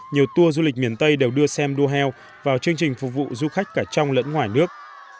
nhiều tour du lịch miền tây đều đưa xem du heo vào chương trình phục vụ du khách cả trong lẫn ngoài nước